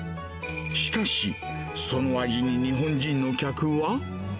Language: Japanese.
しかし、その味に日本人の客は。